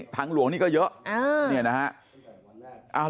ทางหลวงนี่ก็เยอะนี่นะฮะ